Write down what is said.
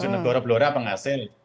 tujuh negara blora penghasil